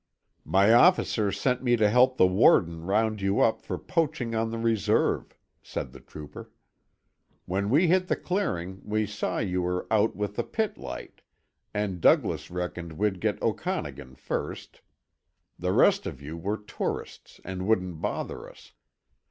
"My officer sent me to help the warden round you up for poaching on the reserve," said the trooper. "When we hit the clearing we saw you were out with the pit light and Douglas reckoned we'd get Okanagan first; the rest of you were tourists and wouldn't bother us.